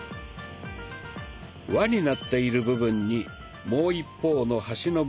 輪になっている部分にもう一方の端の部分を通して固定します。